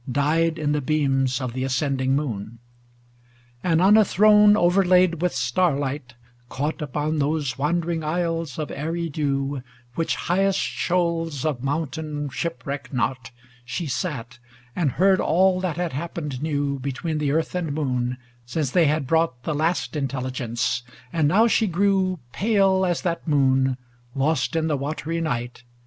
Dyed in the beams of the ascending moon, LIV And on a throne o'erlaid with starlight, caught Upon those wandering isles of aery dew Which highest shoals of mountain ship wreck not, She sate, and heard all that had hap pened new Between the earth and moon since they had brought The last intelligence; and now she grew Pale as that moon lost in the watery night.